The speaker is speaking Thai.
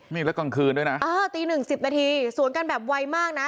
นี่แล้วกลางคืนด้วยนะเออตีหนึ่งสิบนาทีสวนกันแบบไวมากนะ